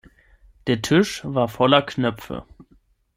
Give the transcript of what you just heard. Der Tisch war voller Knöpfe.